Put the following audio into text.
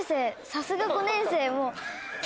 さすが５年生。